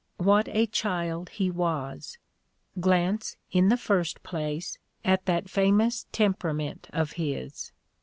"What a child he was!" Glance, ia the first place, at that famous temperament of his.